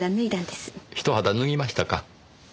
一肌脱ぎましたか。